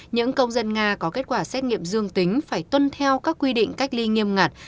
những công dân nga có kết quả xét nghiệm dương tính phải tuân theo các quy định cách ly nghiêm ngặt